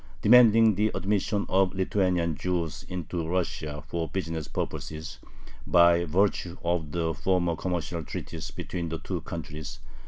demanding the admission of Lithuanian Jews into Russia for business purposes, by virtue of the former commercial treaties between the two countries.